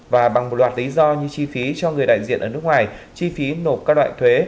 và bằng một loạt lý do như chi phí cho người đại diện ở nước ngoài chi phí nộp các loại thuế